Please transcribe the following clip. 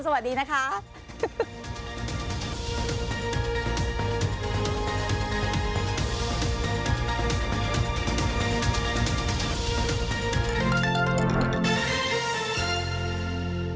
สวัสดีค่ะหมดเวลาของรายการค่ะคุณผู้ชมสวัสดีนะคะ